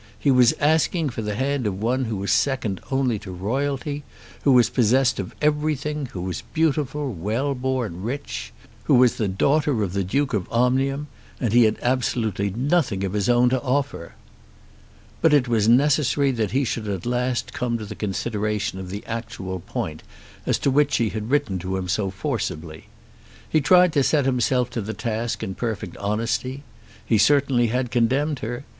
He was asking for the hand of one who was second only to royalty who was possessed of everything, who was beautiful, well born, rich, who was the daughter of the Duke of Omnium, and he had absolutely nothing of his own to offer. But it was necessary that he should at last come to the consideration of the actual point as to which she had written to him so forcibly. He tried to set himself to the task in perfect honesty. He certainly had condemned her.